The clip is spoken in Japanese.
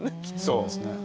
そうですね。